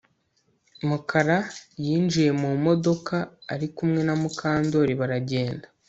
Mukara yinjiye mu modoka ari kumwe na Mukandoli baragenda